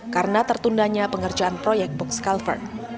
karena tertundannya pengerjaan proyek bukskalver